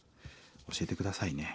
教えて下さいね。